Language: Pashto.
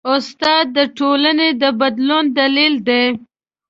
استاد د ټولنې د بدلون دلیل دی.